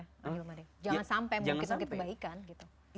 jangan sampai mengungkit ngungkit kebaikan gitu